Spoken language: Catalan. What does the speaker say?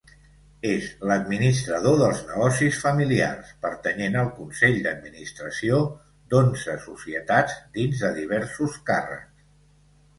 És l'administrador dels negocis familiars, pertanyent al consell d'administració d'onze societats dins de diversos càrrecs.